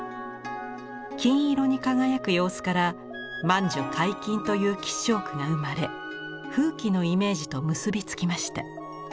金色に輝く様子から満樹皆金という吉祥句が生まれ富貴のイメージと結び付きました。